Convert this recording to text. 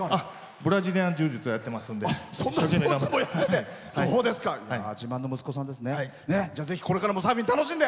ブラジリアン柔術をやってますんで。